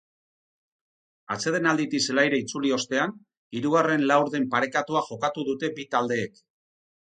Atsedenalditik zelaira itzuli ostean, hirugarren laurden parekatua jokatu dute bi taldeek.